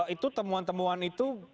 itu temuan temuan itu